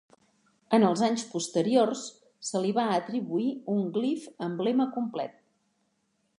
En els anys posteriors, se li va atribuir un glif emblema complet.